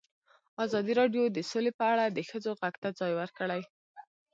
ازادي راډیو د سوله په اړه د ښځو غږ ته ځای ورکړی.